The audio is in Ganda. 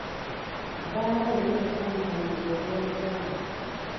Bbaala yonna yasamalirira olw'omugagga.